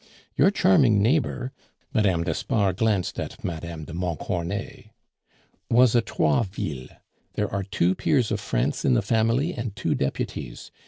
"Your charming neighbor" (Mme. d'Espard glanced at Mme. de Montcornet) "was a Troisville; there are two peers of France in the family and two deputies.